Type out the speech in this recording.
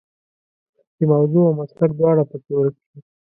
چې موضوع او مسلک دواړه په کې ورک شي.